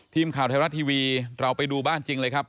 ทีมข่าวไทยรัฐทีวีเราไปดูบ้านจริงเลยครับ